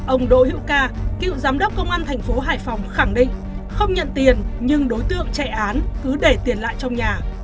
ông đỗ hữu ca cựu giám đốc công an thành phố hải phòng khẳng định không nhận tiền nhưng đối tượng chạy án cứ để tiền lại trong nhà